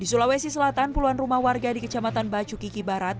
di sulawesi selatan puluhan rumah warga di kecamatan bacu kiki barat